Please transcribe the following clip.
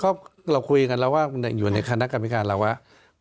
ก็เราคุยกันแล้วว่าอยู่ในคณะกรรมธิการเราว่า